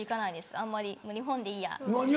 あんまり日本でいいやみたいな。